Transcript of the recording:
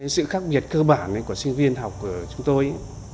sự khác biệt cơ bản của sinh viên học của chúng tôi